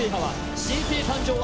新星誕生は？